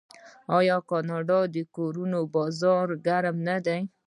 آیا د کاناډا د کورونو بازار ګرم نه دی؟